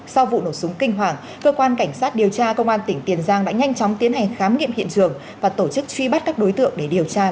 sau vụ nổ súng kinh hoàng cơ quan cảnh sát điều tra công an tỉnh tiền giang đã nhanh chóng tiến hành khám nghiệm hiện trường và tổ chức truy bắt các đối tượng để điều tra